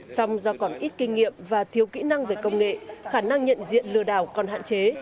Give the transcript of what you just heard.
song do còn ít kinh nghiệm và thiếu kỹ năng về công nghệ khả năng nhận diện lừa đảo còn hạn chế